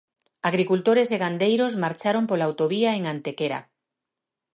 Agricultores e gandeiros marcharon pola autovía en Antequera.